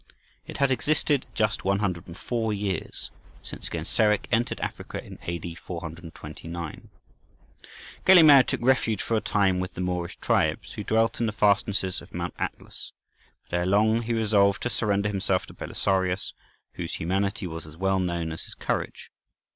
It had existed just 104 years, since Genseric entered Africa in A.D. 429. Gelimer took refuge for a time with the Moorish tribes who dwelt in the fastnesses of Mount Atlas. But ere long he resolved to surrender himself to Belisarius, whose humanity was as well known as his courage.